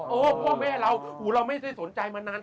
เออพวกแม่เราอู่เราไม่ใช่สนใจมานาน